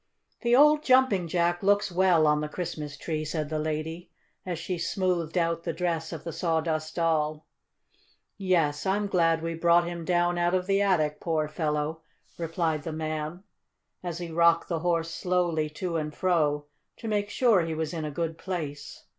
"The old Jumping Jack looks well on the Christmas tree," said the lady, as she smoothed out the dress of the Sawdust Doll. "Yes, I'm glad we brought him down out of the attic, poor fellow," replied the man, as he rocked the Horse slowly to and fro, to make sure he was in a good place.